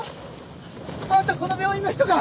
あんたこの病院の人か？